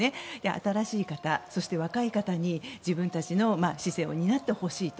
新しい方、そして若い方に自分たちの市政を担ってほしいと。